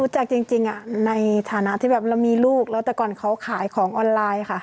จากจริงในฐานะที่แบบเรามีลูกแล้วแต่ก่อนเขาขายของออนไลน์ค่ะ